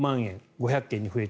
５００件に増えて。